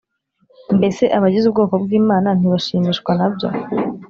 Mbese abagize ubwoko bw’Imana ntibashimishwa nabyo?